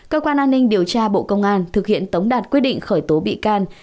cơ quan an ninh điều tra bộ công an thực hiện tống đạt quyết định khởi tố bị can